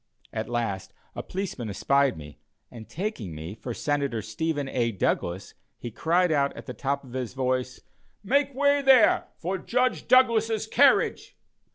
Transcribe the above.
At last, a policeman espied me, and taking me for Senator Stephen A. Douglas, he cried out, at the top of his voice: "Make way there for Judge Douglas's carriage."